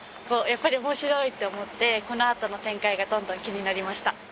やっぱり面白いって思ってこのあとの展開がどんどん気になりました